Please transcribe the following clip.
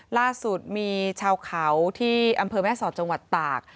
ล่าสุดมีชาวเขาที่อำเภอแม่สอดจังหวัดตาก